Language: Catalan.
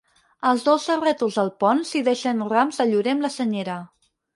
Als dos rètols del pont s'hi deixen rams de llorer amb la senyera.